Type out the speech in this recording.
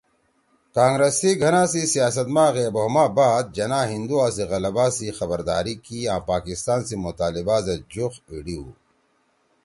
کانگرس سی گھنا سی سیاست ما غیب ہَؤ ما بعد جناح ہندوا سی غلَبہ سی خبرداری کی آں پاکستان سی مطالبہ زید جُوخ ایِڑی ہُو